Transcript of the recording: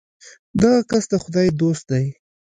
دغه کس د خدای دوست دی.